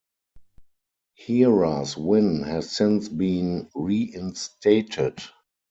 Heras' win has since been reinstated.